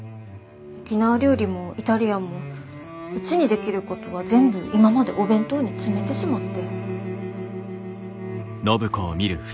沖縄料理もイタリアンもうちにできることは全部今までお弁当に詰めてしまって。